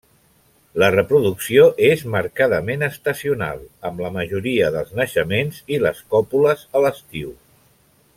La reproducció és marcadament estacional, amb la majoria dels naixements i les còpules a l'estiu.